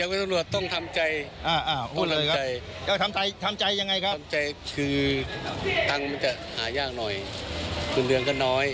อยากเป็นตำรวจต้องทำใจต้องทำใจคือตังค์มันจะหายากหน่อยคุณเรืองก็น้อย